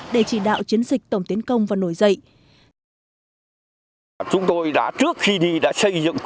để chỉ đạo chiến dịch tổng tiến công và nổi dậy